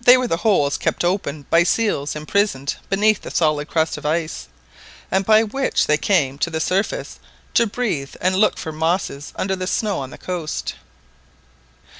They were the holes kept open by seals imprisoned beneath the solid crust of ice, and by which they came to the surface to breathe and look for mosses under the snow on the coast.